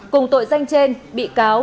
cùng tội danh trên bị cáo